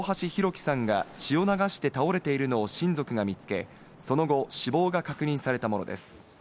輝さんが血を流して倒れているのを親族が見つけ、その後、死亡が確認されたものです。